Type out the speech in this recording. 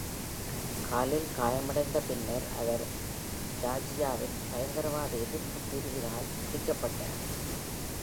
காலில் காயமடைந்த பின்னர், அவர் ஜார்ஜியாவின் பயங்கரவாத எதிர்ப்பு பிரிவினால் பிடிக்கப்பட்டார்.